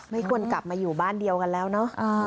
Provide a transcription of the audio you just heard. ไม่ควรกลับมาอยู่บ้านเดียวกันแล้วเนอะ